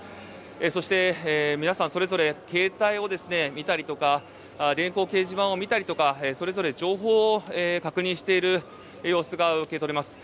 そして皆さんそれぞれ携帯を見たり電光掲示板を見たりとかそれぞれ情報を確認している様子が受け取れます。